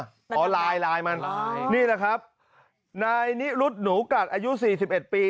อ่ะอ๋อลายลายมันลายนี่แหละครับนายนี้รุดหนูกัดอายุสี่สิบเอ็ดปี